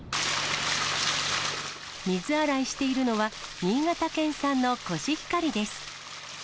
水洗いしているのは、新潟県産のコシヒカリです。